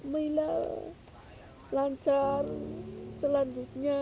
melalui lancar selanjutnya